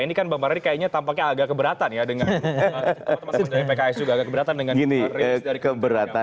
ini kan bang mardari kayaknya tampaknya agak keberatan ya dengan teman teman dari pks juga agak keberatan dengan rilis dari kementerian agama